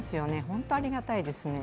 本当にありがたいですね。